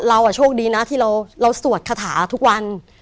โชคดีนะที่เราสวดคาถาทุกวัน